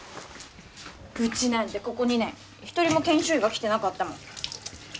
ウチなんてここ２年一人も研修医が来てなかったもん